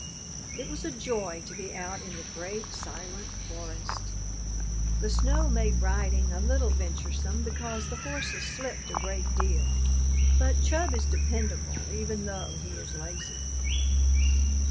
It was a joy to be out in the great, silent forest. The snow made riding a little venturesome because the horses slipped a great deal, but Chub is dependable even though he is lazy.